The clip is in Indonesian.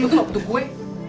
ibu tuh gak butuh gue